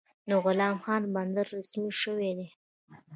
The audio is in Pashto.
د غلام خان بندر رسمي شوی دی؟